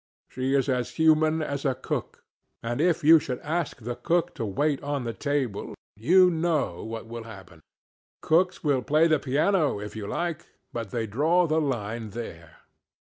She is as human as a cook; and if you should ask the cook to wait on the table, you know what would happen. Cooks will play the piano if you like, but they draw the line there.